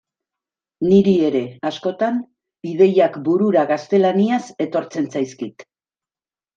Niri ere, askotan, ideiak burura gaztelaniaz etortzen zaizkit.